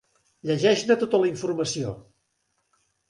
Llegeix-ne tota la informació!